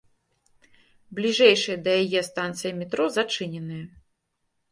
Бліжэйшыя да яе станцыі метро зачыненыя.